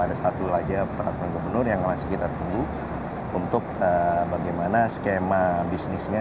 ada satu saja peraturan gubernur yang masih kita tunggu untuk bagaimana skema bisnisnya